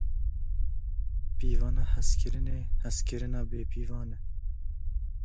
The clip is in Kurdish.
Pîvana hezkirinê, hezkirina bêpîvan e.